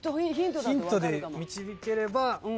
ヒントで導ければ。